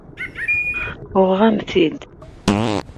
Uɣeɣ-am-t-id.